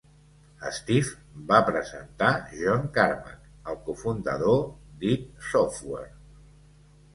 Steve va presentar John Carmack, el cofundador d'Id Software.